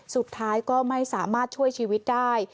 สุดท้ายก็ไม่สามารถช่วยชีวิตได้